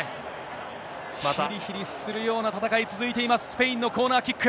ひりひりするような戦い続いています、スペインのコーナーキック。